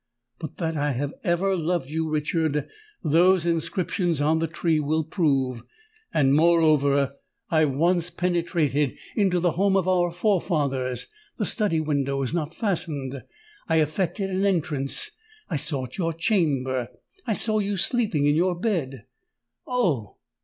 But that I have ever loved you, Richard, those inscriptions on the tree will prove; and, moreover, I once penetrated into the home of our forefathers—the study window was not fastened—I effected an entrance—I sought your chamber—I saw you sleeping in your bed——" "Oh!